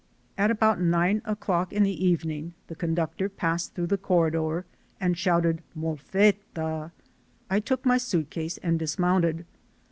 At about nine o'clock in the evening the conductor passed through the corridor and shouted "M o 1 f e 1 1 a." I took my suitcase and dismounted.